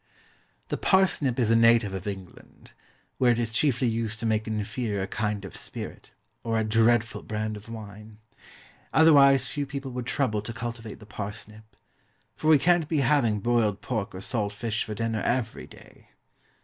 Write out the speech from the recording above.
The PARSNIP is a native of England, where it is chiefly used to make an inferior kind of spirit, or a dreadful brand of wine. Otherwise few people would trouble to cultivate the parsnip; for we can't be having boiled pork or salt fish for dinner every day.